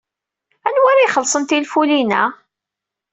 Anwa ara ixellṣen tinfulin-a?